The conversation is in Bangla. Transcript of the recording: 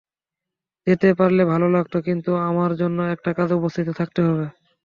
যেতে পারলে ভালো লাগত, কিন্তু আমার অন্য একটা কাজে উপস্থিত থাকতে হবে।